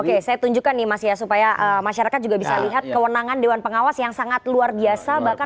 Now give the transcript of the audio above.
oke saya tunjukkan nih mas ya supaya masyarakat juga bisa lihat kewenangan dewan pengawas yang sangat luar biasa bahkan